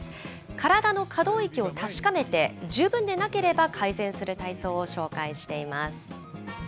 体の可動域を確かめて、十分でなければ改善する体操を紹介しています。